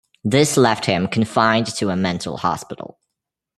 This left him confined to a mental hospital.